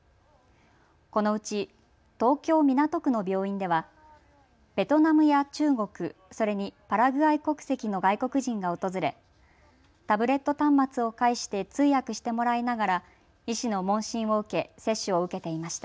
このうち東京港区の病院ではベトナムや中国、それにパラグアイ国籍の外国人が訪れタブレット端末を介して通訳してもらいながら医師の問診を受け接種を受けていました。